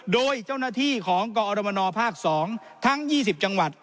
โดยเจ้าหน้าที่ของกอรมนภาค๒ทั้ง๒๐จังหวัด